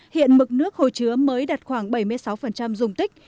hiện mực nước hồi chứa mới đặt khoảng bảy mươi sáu dùng tích